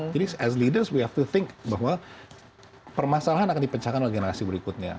jadi sebagai leaders kita harus berpikir bahwa permasalahan akan dipecahkan oleh generasi berikutnya